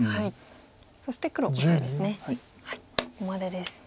そして黒オサエですね。